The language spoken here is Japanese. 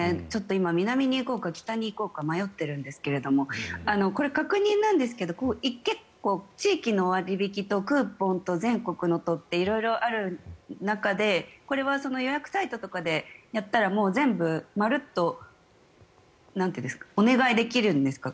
今、南に行こうか北に行こうか迷ってるんですけどこれ確認なんですが結構、地域の割引とクーポンと全国のとって色々ある中でこれは予約サイトとかでやったら全部、まるっとお願いできるんですか？